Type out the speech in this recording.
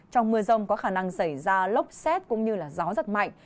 trong mưa rông có khả năng xảy ra lốc xét cũng như gió rất mạnh